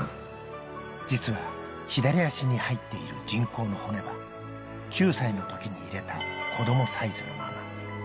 実は左足に入っている人工の骨は、９歳のときに入れた子どもサイズのまま。